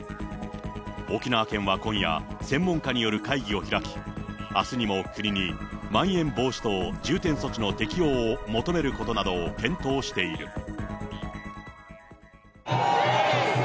沖縄県は今夜、専門家による会議を開き、あすにも国に、まん延防止等重点措置の適用を求めることなどを検討している。